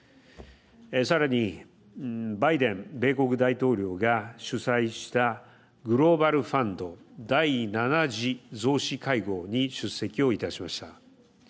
さらに、バイデン米国大統領が主催したグローバルファンド第７次増資会合に出席をいたしました。